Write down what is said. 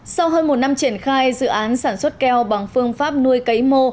sau hơn một năm triển khai dự án sản xuất keo bằng phương pháp nuôi cấy mô